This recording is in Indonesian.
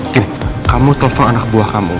gini kamu telepon anak buah kamu